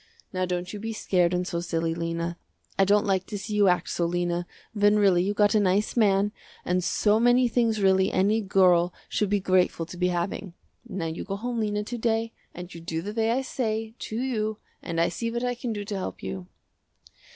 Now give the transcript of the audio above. Now don't you be scared and so silly Lena. I don't like to see you act so Lena when really you got a nice man and so many things really any girl should be grateful to be having. Now you go home Lena to day and you do the way I say, to you, and I see what I can do to help you."